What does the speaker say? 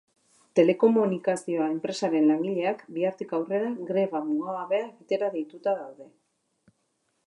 Telekomunikazioa enpresaren langileak bihartik aurrera greba mugagabea egitera deituta daude.